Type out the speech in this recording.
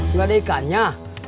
nggak ada ikannya